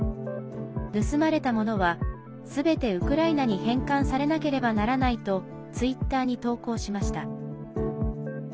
盗まれたものは、すべてウクライナに返還されなければならないとツイッターに投稿しました。